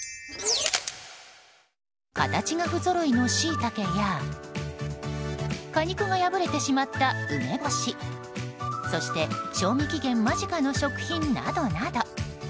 形が不ぞろいのシイタケや果肉が破れてしまった梅干しそして賞味期限間近の食品などなど。